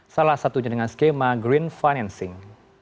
salah satunya dengan skema green financing